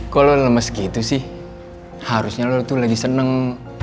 kalau lemes gitu sih harusnya lo tuh lagi seneng